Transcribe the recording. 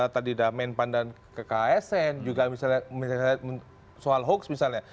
tadi dah men pandang ke kasn juga misalnya soal hoax misalnya